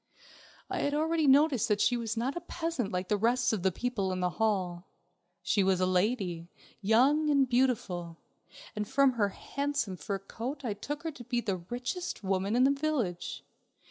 I had already noticed that she was not a peasant like the rest of the people in the hall. She was a lady, young and beautiful, and from her handsome fur coat I took her to be the richest woman in the village.